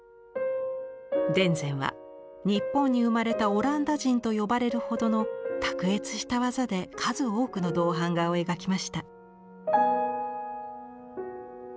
田善は「日本に生まれたオランダ人」と呼ばれるほどの卓越した技で数多くの銅版画を描きました。